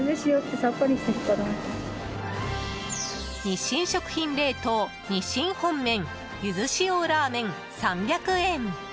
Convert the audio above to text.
日清食品冷凍日清本麺ゆず塩ラーメン、３００円。